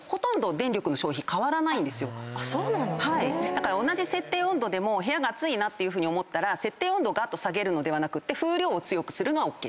だから同じ設定温度でも部屋が暑いなって思ったら設定温度を下げるのではなくて風量を強くするのはＯＫです。